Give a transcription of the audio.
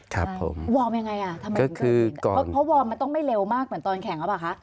ครับผมวอร์มยังไงอ่ะเพราะวอร์มมันต้องไม่เร็วมากเหมือนตอนแข่งรึเปล่าคะ